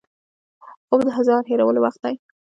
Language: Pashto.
خوب د ځان هېرولو وخت دی